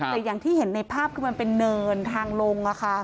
แต่อย่างที่เห็นในภาพคือมันเป็นเนินทางลง